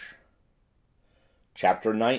CHAPTER XIX.